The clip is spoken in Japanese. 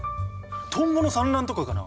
トンボの産卵とかかな？